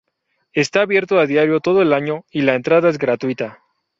Está abierto a diario todo el año y la entrada es gratuita.